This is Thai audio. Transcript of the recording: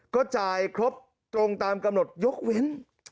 ก็จ่ายครบตรงตามกำหนดยกเว้น